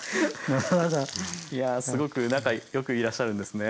いやすごく仲良くいらっしゃるんですね。